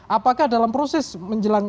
apakah dalam proses menjelang